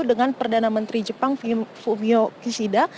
dengan perdana menteri jepang fumio kishida